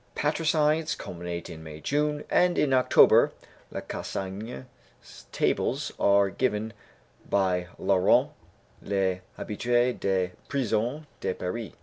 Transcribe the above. Parricides culminate in May June, and in October (Lacassagne's tables are given by Laurent, Les Habitués des Prisons de Paris, Ch.